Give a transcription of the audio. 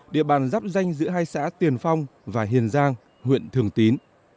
địa bàn dắp danh giữa hai xã tiền phong và hiền giang huyện thường tín